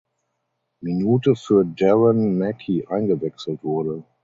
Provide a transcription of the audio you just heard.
Minute für Darren Mackie eingewechselt wurde.